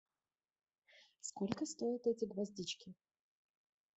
Сколько стоят эти гвоздички?